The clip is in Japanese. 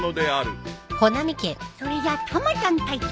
それじゃたまちゃん隊長